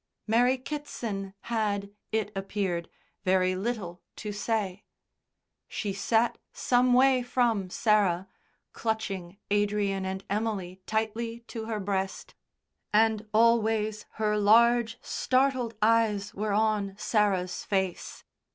Mary Kitson had, it appeared, very little to say. She sat some way from Sarah, clutching Adrian and Emily tightly to her breast, and always her large, startled eyes were on Sarah's face.